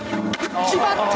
決まった！